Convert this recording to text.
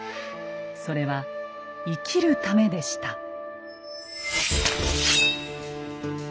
それは生きるためでした。